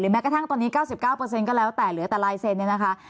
หรือแม้กระทั่งตอนนี้เก้าสิบเก้าเปอร์เซ็นต์ก็แล้วแต่เหลือแต่ลายเซ็นเนี้ยนะคะ